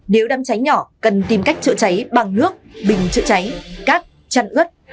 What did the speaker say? nếu đám cháy nhỏ cần tìm cách chữa cháy bằng nước bình chữa cháy cát chăn ướt